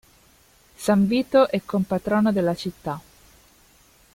San Vito è compatrono della città.